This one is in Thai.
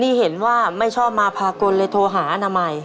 นี่เห็นว่าไม่ชอบมาพากลเลยโทรหาอนามัย